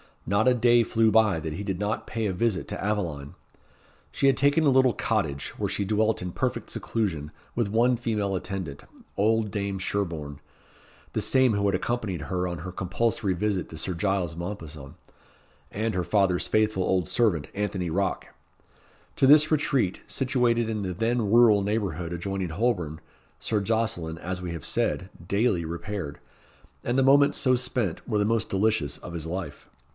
Not a day flew by that he did not pay a visit to Aveline. She had taken a little cottage, where she dwelt in perfect seclusion, with one female attendant, old Dame Sherborne, the same who had accompanied her on her compulsory visit to Sir Giles Mompesson, and her father's faithful old servant, Anthony Rocke. To this retreat, situated in the then rural neighbourhood adjoining Holborn, Sir Jocelyn, as we have said, daily repaired, and the moments so spent were the most delicious of his life.